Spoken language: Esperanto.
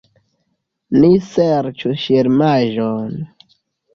Ni serĉu ŝirmaĵon.